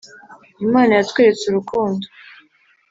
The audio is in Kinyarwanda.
Imana yatweretse urukundo